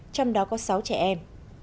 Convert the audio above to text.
trong đó có sáu trẻ em